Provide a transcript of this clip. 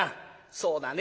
「そうだね。